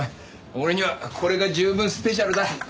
俺にはこれが十分スペシャルだ。